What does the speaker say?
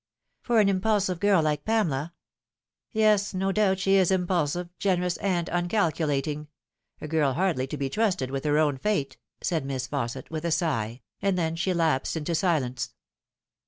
" For an impulsive girl like Pamela." " Yes, no doubt she is impulsive, generous, and uncalculating ; a girl hardly to be trusted with her own fate," said Miss Faussefr, with a sigh, and then she lapsed into silence.